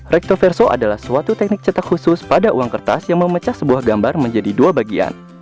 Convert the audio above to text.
rectoverso adalah suatu teknik cetak khusus pada uang kertas yang memecah sebuah gambar menjadi dua bagian